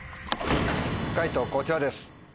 解答こちらです。